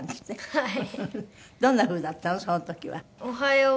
はい。